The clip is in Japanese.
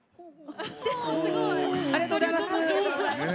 おすごい。ありがとうございます。